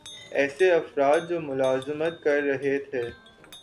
ایسے افراد جو ملازمت کررہے تھے